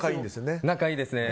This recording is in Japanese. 仲いいですね。